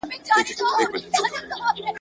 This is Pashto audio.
خلک پوښتنې کوي.